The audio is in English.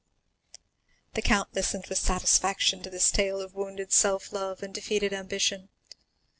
The count listened with satisfaction to this tale of wounded self love and defeated ambition.